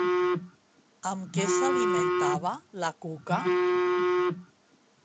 Amb què s'alimentava la Cuca?